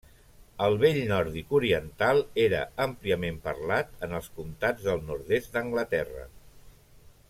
El vell nòrdic oriental era àmpliament parlat en els comtats del nord-est d'Anglaterra.